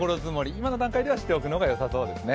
今の段階では、しておくのがよさそうですね。